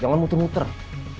jangan muter muter ya